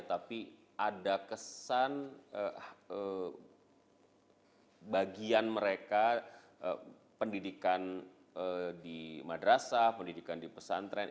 tapi ada kesan bagian mereka pendidikan di madrasah pendidikan di pesantren